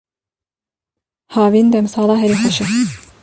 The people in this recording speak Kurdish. Havîn demsala herî xweş e.